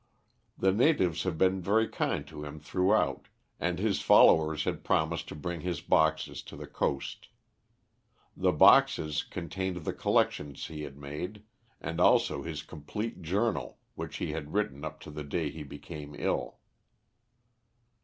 The natives had been very kind to him throughout, and his followers had promised to bring his boxes to the coast. The boxes contained the collections he had made, and also his complete journal, which he had written up to the day he became ill.